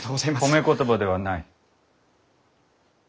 褒め言葉ではない。